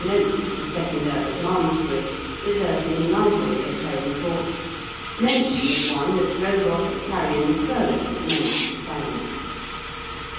notes of the second Earl of Malmesbury, preserved in the library at Heron Court, mention of one that drove off a carrion crow that menaced the family.